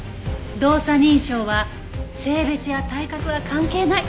動作認証は性別や体格は関係ない。